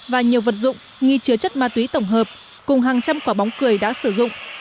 và nhiều vật dụng nghi chứa chất ma túy tổng hợp cùng hàng trăm quả bóng cười đã sử dụng